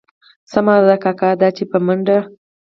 سمه ده کاکا دا دي په منډه.